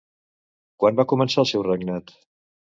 Quan va començar el seu regnat?